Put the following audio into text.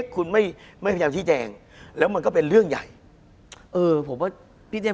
คุณผู้ชมบางท่าอาจจะไม่เข้าใจที่พิเตียร์สาร